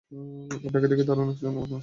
আপনাকে দেখে দারুণ একজন মানুষ মনে হচ্ছে!